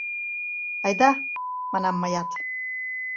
— Айда! — манам мыят.